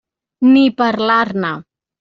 Ni parlar-ne!